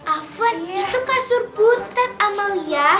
afuan itu kasur puten amalia